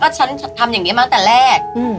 ฉันทำอย่างนี้มาตั้งแต่แรก